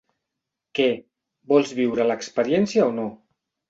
Què, vols viure l'experiència o no?